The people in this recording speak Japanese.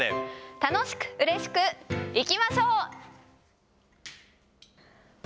楽しくうれしくいきましょう。